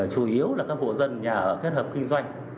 chủ yếu là các bộ dân nhà hợp kết hợp kinh doanh